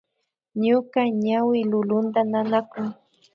Ñuka ñawi lulunta nanakun